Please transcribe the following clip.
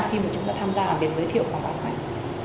khi mà chúng ta tham gia việc giới thiệu và bán sách